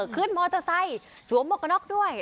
ขึ้นมอเตอร์ไซค์สวมหมวกกระน็อกด้วย